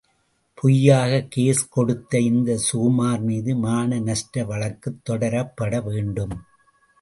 பொய்யாக கேஸ் கொடுத்த இந்தச் சுகுமார் மீது மானநஷ்ட வழக்குத் தொடரப்பட வேண்டும்.